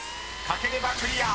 書ければクリア。